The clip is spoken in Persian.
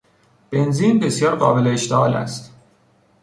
بنزین بسیار قابل اشتعال است.